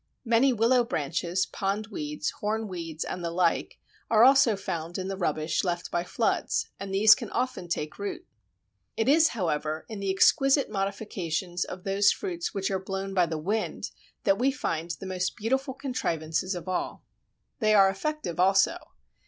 Many willow branches, pondweeds, hornweeds, and the like, are also found in the rubbish left by floods, and these can often take root. It is, however, in the exquisite modifications of those fruits which are blown by the wind that we find the most beautiful contrivances of all. They are effective also.